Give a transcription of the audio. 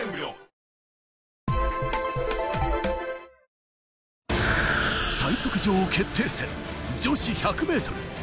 以最速女王決定戦、女子１００ｍ。